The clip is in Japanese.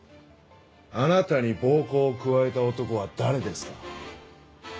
あなたに暴行を加えた男は誰ですか？